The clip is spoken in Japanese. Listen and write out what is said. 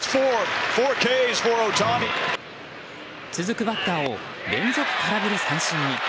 続くバッターを連続空振り三振に。